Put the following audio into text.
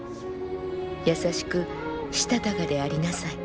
優しくしたたかでありなさい。